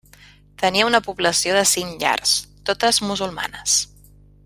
Tenia una població de cinc llars, totes musulmanes.